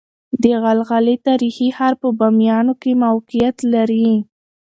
دغلغلې تاريخي ښار په باميانو کې موقعيت لري